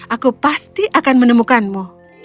aku pasti akan menemukanmu